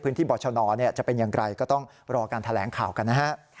พื้นที่บรรชนจะเป็นอย่างไรก็ต้องรอการแถลงข่าวกันนะครับ